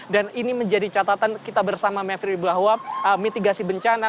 dan ini menjadi catatan kita bersama mavri bahwa mitigasi bencana